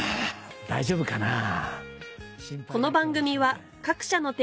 大丈夫かなぁ？